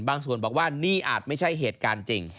ส่วนบอกว่านี่อาจไม่ใช่เหตุการณ์จริง